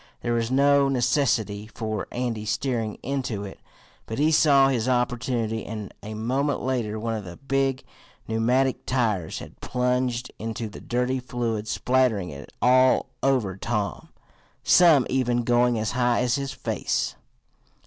There was no necessity for Andy steering into it, but he saw his opportunity, and a moment later one of the big pneumatic tires had plunged into the dirty fluid, spattering it all over Tom, some even going as high as his face.